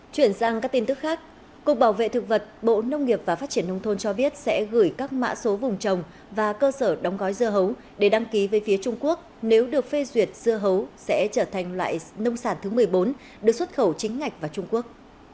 chuyển sang các tin tức khác cục bảo vệ thực vật bộ nông nghiệp và phát triển nông thôn cho biết sẽ gửi các mã số vùng trồng và cơ sở đóng gói dưa hấu để đăng ký về phía trung quốc nếu được phê duyệt dưa hấu sẽ trở thành loại nông sản thứ một mươi bốn được xuất khẩu chính ngạch vào trung quốc